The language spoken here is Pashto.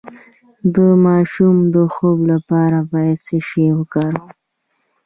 د ماشوم د خوب لپاره باید څه شی وکاروم؟